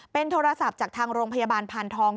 เป็นโทรศัพท์จากทางโรงพยาบาลพานทอง